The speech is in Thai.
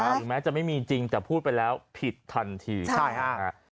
หรือแม้จะไม่มีจริงแต่พูดไปแล้วผิดทันทีใช่ฮะ